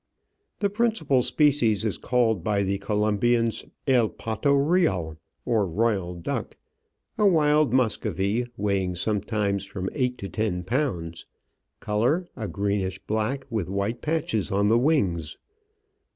The principal species is called by the Colombians El Pato Realy or Royal Duck — a wild muscovy, weighing some times from eight to ten pounds ; colour, a greenish black, with white patches on the wings.